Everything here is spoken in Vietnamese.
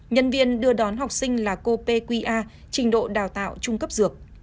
nhân viên đưa đón học sinh là cô pqa trình độ đào tạo trung cấp dược